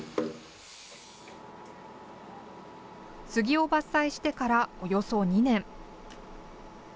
杉を伐採してからおよそ２年。